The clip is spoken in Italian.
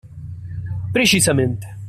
Precisamente!